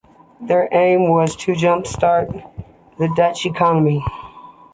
Their aim was to jump start the Dutch economy.